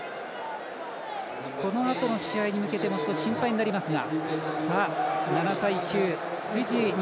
このあとの試合に向けても少し心配になりますが。